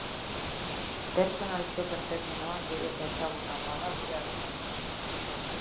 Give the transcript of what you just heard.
Personal shopper terminoa gero eta ezagunagoa da gure artean.